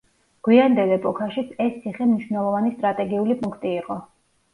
გვიანდელ ეპოქაშიც ეს ციხე მნიშვნელოვანი სტრატეგიული პუნქტი იყო.